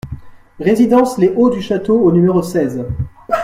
Résidence les Hauts du Château au numéro seize